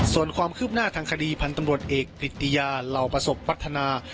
ส่วนความคืบหน้าทางคดีพันธ์ตำรวจเอกกฤติยาเหล่าประสบพัฒนา